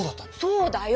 そうだよ！